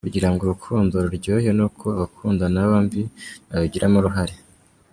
Kugira ngo urukundo ruryohe ni uko abakundana bombi babigiramo uruhare .